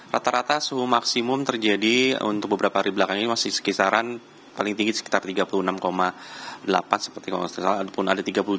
rata rata suhu maksimum terjadi untuk beberapa hari belakang ini masih sekisaran paling tinggi sekitar tiga puluh enam delapan seperti kalau tidak salah pun ada tiga puluh tujuh